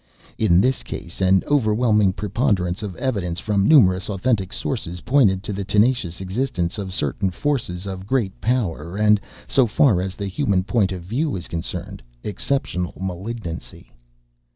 In this case an overwhelming preponderance of evidence from numerous authentic sources pointed to the tenacious existence of certain forces of great power and, so far as the human point of view is concerned, exceptional malignancy.